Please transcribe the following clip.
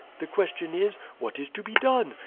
The question is, What is to be done?